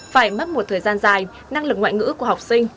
phải mất một thời gian dài năng lực ngoại ngữ của học sinh